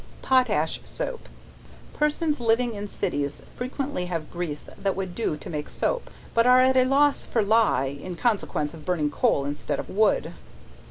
Potash Soap. Persons living in cities frequently have grease that would do to make soap, but are at a loss for ley, in consequence of burning coal instead of wood.